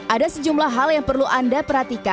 ada sejumlah hal yang perlu anda perhatikan